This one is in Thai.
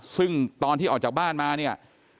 ซึ่งตอนที่ออกจากบ้านมาเนี่ย